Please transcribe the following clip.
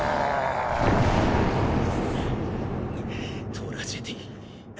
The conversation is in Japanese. トラジェディ。